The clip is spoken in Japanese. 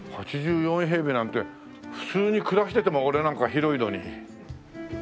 ８４平米なんて普通に暮らしてても俺なんか広いのに。